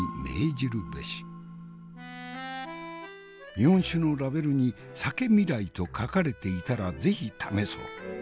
日本酒のラベルに酒未来と書かれていたら是非試そう。